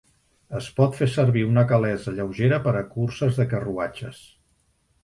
Es pot fer servir una calessa lleugera per a curses de carruatges.